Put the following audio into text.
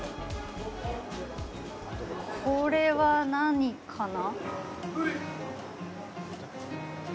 これは何かな？